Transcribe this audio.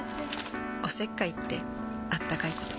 おせっかいってあったかいこと